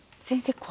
先生